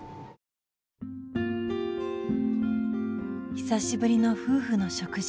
久しぶりの夫婦の食事。